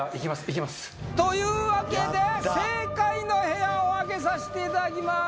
というわけで正解の部屋を開けさしていただきまー